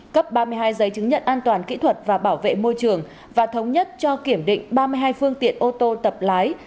cấp ba mươi hai giấy chứng nhận an toàn kỹ thuật và bảo vệ môi trường và thống nhất cho kiểm định ba mươi hai phương tiện ô tô tập lái